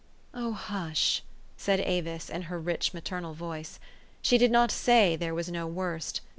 " Oh, hush !" said Avis in her rich maternal voice. She did not say there was no worst.